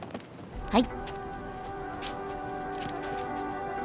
はい。